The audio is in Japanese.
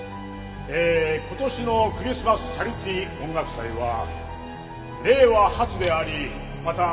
えー今年のクリスマスチャリティー音楽祭は令和初でありまた。